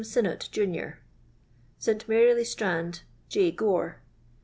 Sinnott, Junior. St Mary Ie Strand J. Gore.